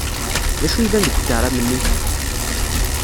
D acu yellan deg ukaram-nni?